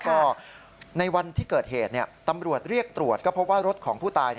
ก็ในวันที่เกิดเหตุตำรวจเรียกตรวจก็พบว่ารถของผู้ตาย